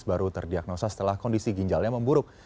baru terdiagnosa setelah kondisi ginjalnya memburuk